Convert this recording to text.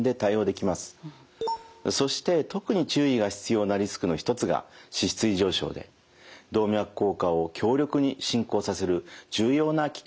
そして特に注意が必要なリスクの一つが脂質異常症で動脈硬化を強力に進行させる重要な危険因子です。